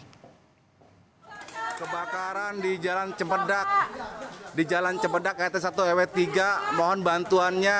kebakaran di jalan cempedak di jalan cepedak rt satu rw tiga mohon bantuannya